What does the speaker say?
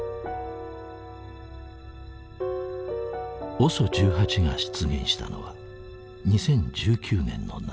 ＯＳＯ１８が出現したのは２０１９年の夏。